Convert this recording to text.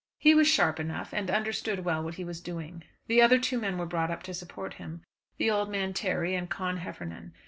He was sharp enough, and understood well what he was doing. The other two men were brought up to support him, the old man Terry and Con Heffernan.